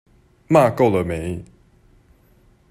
罵夠了沒？